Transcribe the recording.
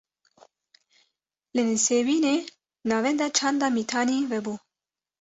Li Nisêbînê, Navenda Çanda Mîtanî vebû